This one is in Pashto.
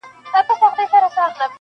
بزم دی پردی پردۍ نغمې پردۍ سندري دي,